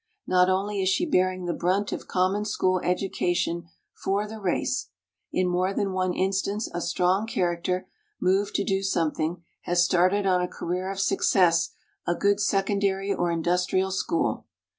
Not only is she bearing the brunt of common school educa tion for the race; in more than one instance a strong character, moved to do something, has started on a career of success a good secondary or industrial school.